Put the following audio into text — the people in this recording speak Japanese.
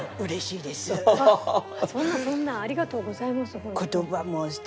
いやもうありがとうございます。